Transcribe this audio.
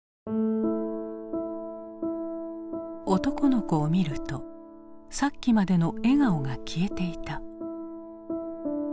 男の子を見るとさっきまでの笑顔が消えていた。